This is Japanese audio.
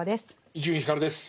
伊集院光です。